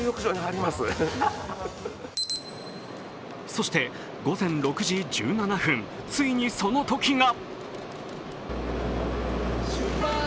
そして午前６時１７分ついにそのときが。